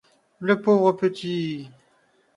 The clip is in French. Le pauvre petit !